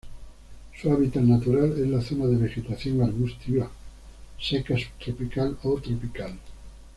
Su hábitat natural es la zona de vegetación arbustiva seca subtropical o tropical.